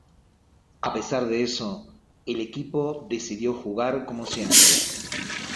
A pesar de eso, el equipo decidió jugar como siempre.